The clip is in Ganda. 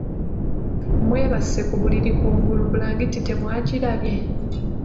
Mwebase ku buliri kungulu bulangiti temwagirabye?